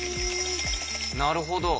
なるほど。